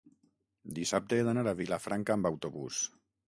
Dissabte he d'anar a Vilafranca amb autobús.